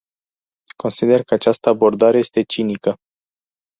Consider că această abordare este cinică.